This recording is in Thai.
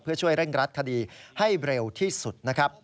เพื่อช่วยเร่งรัดคดีให้เร็วที่สุดนะครับ